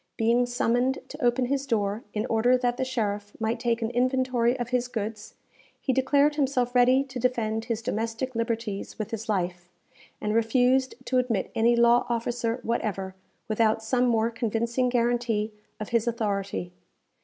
Being summoned to open his door, in order that the sheriff might take an inventory of his goods, he declared himself ready to defend his domestic liberties with his life, and refused to admit any law officer whatever, without some more convincing guarantee of his authority.